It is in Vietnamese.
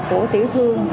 của tiểu thương